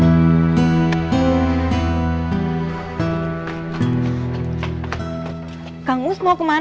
tidak ada yang bisa diberikan